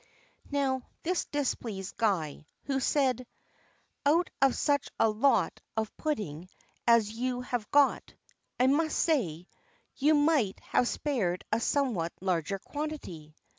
Now, this displeased Guy, who said: "Out of such a lot of pudding as you have got, I must say, you might have spared a somewhat larger quantity."